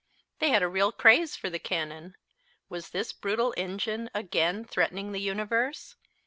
They had a real craze for the cannon. Was this brutal engine again threatening the universe?